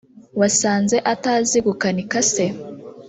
wasanze atazi gukanikase